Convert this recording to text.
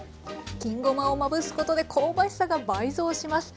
金ごまをまぶすことで香ばしさが倍増します。